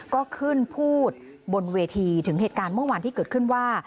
ก็ขึ้นพูดบนเวทีถึงเหตุการณ์เมื่อวานที่เกิดขึ้นว่า